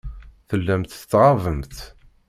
Tellamt tettɣabemt.